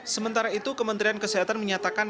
sementara itu kementerian kesehatan menyatakan